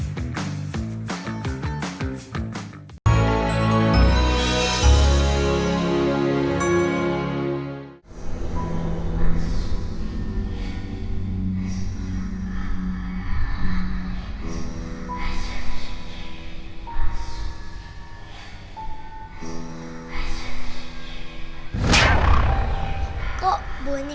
kok bunikanya ada disini